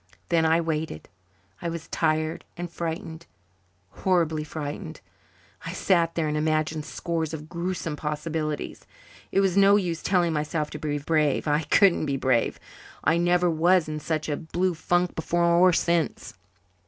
Then I waited. I was tired and frightened horribly frightened. I sat there and imagined scores of gruesome possibilities. It was no use telling myself to be brave. I couldn't be brave. I never was in such a blue funk before or since.